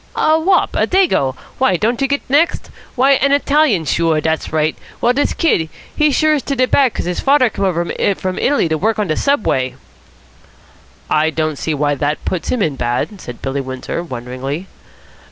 "A wop. A Dago. Why, don't you get next? Why, an Italian. Sure, dat's right. Well, dis kid, he is sure to de bad, 'cos his father come over from Italy to work on de Subway." "I don't see why that puts him in bad," said Billy Windsor wonderingly.